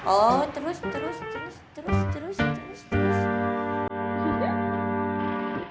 oh terus terus terus